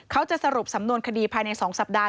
สรุปสำนวนคดีภายใน๒สัปดาห